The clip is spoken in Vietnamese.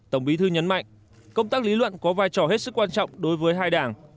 tổng bí thư nhấn mạnh công tác lý luận có vai trò hết sức quan trọng đối với hai đảng